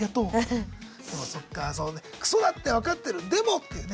でもそっかそうね「クソだって分かってるでも！」っていうね。